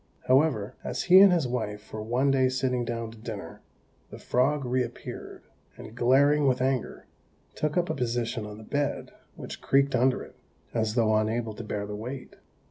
However, as he and his wife were one day sitting down to dinner, the frog reappeared, and glaring with anger, took up a position on the bed, which creaked under it, as though unable to bear the weight.